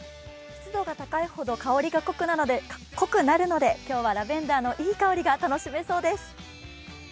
湿度が高いほど香りが濃くなるので今日はラベンダーのいい香りが楽しめそうです。